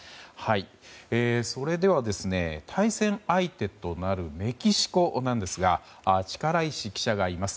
それでは、対戦相手となるメキシコなんですが力石記者がいます。